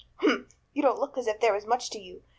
"Humph! You don't look as if there was much to you.